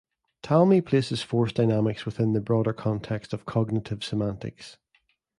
Talmy places force dynamics within the broader context of cognitive semantics.